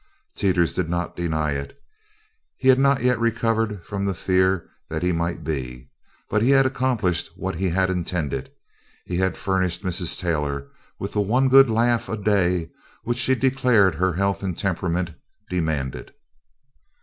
Teeters did not deny it. He had not yet recovered from the fear that he might be. But he had accomplished what he had intended he had furnished Mrs. Taylor with the "one good laugh a day" which she declared her health and temperament demanded.